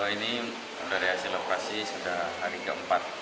ini dari hasil operasi sudah hari keempat